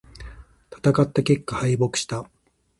戦った結果、敗北した。